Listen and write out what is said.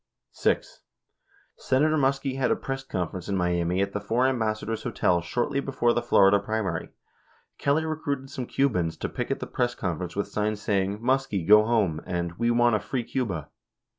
6. Senator Muskie had a press conference in Miami at the Four Ambassadors Hotel shortly before the Florida primary. Kelly re cruited some Cubans to picket the press conference with signs say ing, "Muskie go home," and "We want a free Cuba."